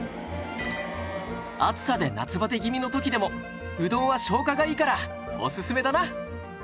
暑さで夏バテ気味の時でもうどんは消化がいいからおすすめだな！